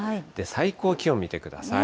最高気温見てください。